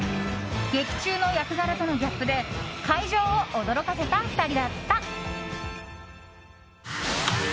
劇中の役柄とのギャップで会場を驚かせた２人だった。